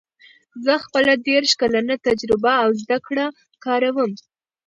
زه خپله دېرش کلنه تجربه او زده کړه کاروم